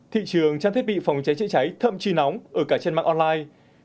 thị trường trang thiết bị phòng cháy chữa cháy thậm chí nóng ở cả trên mạng online